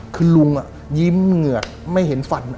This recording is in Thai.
คือลุงยิ้มเหงือกไม่เห็นฝัน